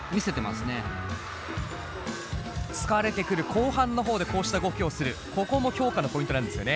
疲れてくる後半のほうでこうした動きをするここも評価のポイントなんですよね？